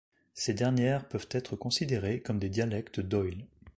Ces dernières peuvent être considérées comme des dialectes d’oïl.